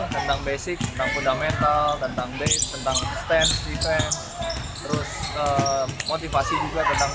tentang basic tanggung damai kau tentang base tentang stensi fans terus motivasi juga tentang